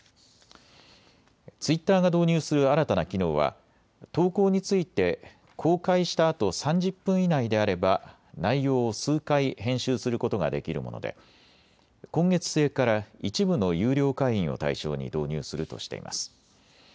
ツイッターが導入する新たな機能は投稿について公開したあと３０分以内であれば内容を数回編集することができるもので今月末から一部の有料会員を対象に導入するとしています。